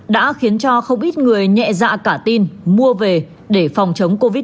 đã khiến cho không ít người nhẹ dạ cả tin mua về để phòng chống covid một mươi